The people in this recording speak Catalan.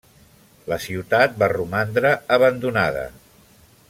La ciutat va romandre abandonada.